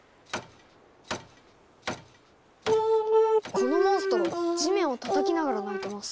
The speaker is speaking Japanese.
このモンストロ地面をたたきながら鳴いてます。